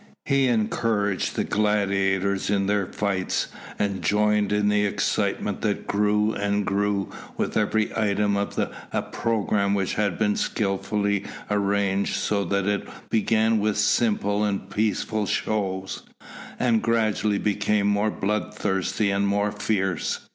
He encouraged the gladiators in their fights, and joined in the excitement that grew and grew with every item of a programme which had been skilfully arranged so that it began with simple and peaceful shows, and gradually became more bloodthirsty and more fierce.